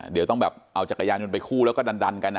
เดี๋ยวต้องแบบเอาจักรยานยนต์ไปคู่แล้วก็ดันกัน